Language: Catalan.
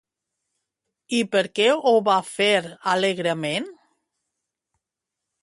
I per què ho va fer alegrement?